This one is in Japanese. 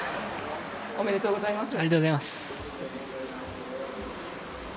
ありがとうございます。